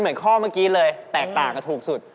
เหมือนข้อเมื่อกี้เลยแตกต่างกับถูกสุด